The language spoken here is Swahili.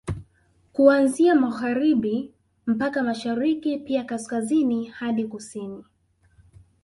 Kuanzia Magharibi mpaka Mashariki pia Kaskazini hadi Kusini